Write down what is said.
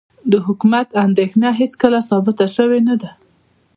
د حکومت اندېښنه هېڅکله ثابته شوې نه ده.